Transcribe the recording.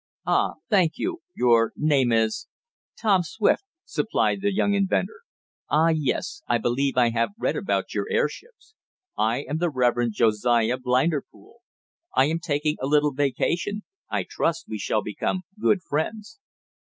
"Ah, thank you. Your name is " "Tom Swift," supplied the young inventor. "Ah, yes, I believe I have read about your airships. I am the Reverend Josiah Blinderpool. I am taking a little vacation. I trust we shall become good friends."